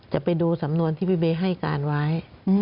จะไปดูสำนวนที่พี่เบย์ให้การไว้